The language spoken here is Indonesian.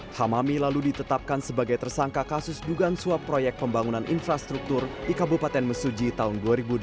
hamami lalu ditetapkan sebagai tersangka kasus dugaan suap proyek pembangunan infrastruktur di kabupaten mesuji tahun dua ribu delapan belas